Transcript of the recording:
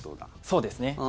そうですね。